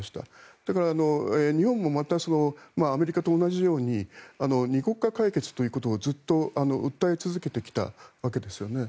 だから、日本もまたアメリカと同じように２国家解決ということを、ずっと訴え続けてきたわけですよね。